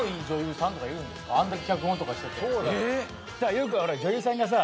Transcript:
よくほら女優さんがさ